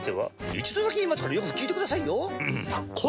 一度だけ言いますからよく聞いてくださいよ。